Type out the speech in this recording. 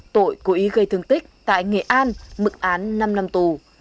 tội cố ý gây thương tích tại nghệ an mức án năm năm tù